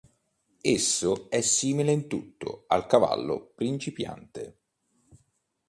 Esso è simile in tutto al cavallo principiante.